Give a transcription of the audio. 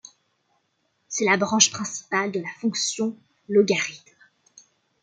C'est la branche principale de la fonction logarithme.